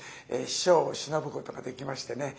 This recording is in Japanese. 師匠をしのぶことができましてね。